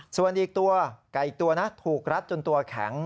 ส่วนอีกตัวไก่อีกตัวนะถูกรัดจนตัวแข็ง